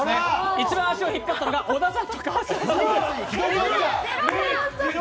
一番足を引っ張ったのが小田さんと川島さん。